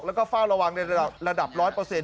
แล้วก็ฝ้าระวังในระดับร้อยเปอร์เซ็นต์